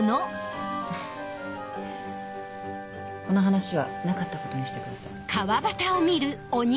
この話はなかったことにしてください。